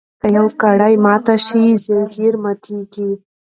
که یوه کړۍ ماته شي ځنځیر ماتیږي.